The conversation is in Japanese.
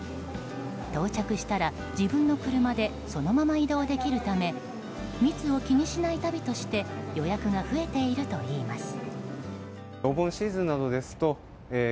到着したら自分の車でそのまま移動できるため密を気にしない旅として予約が増えているといいます。